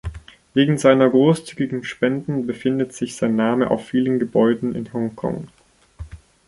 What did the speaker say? Wegen seiner großzügigen Spenden befindet sich sein Name auf vielen Gebäuden in Hongkong.